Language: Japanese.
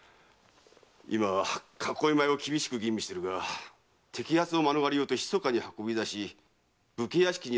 今囲い米を厳しく吟味しているが摘発を免れようとひそかに運び出し武家屋敷に預けているという噂がある。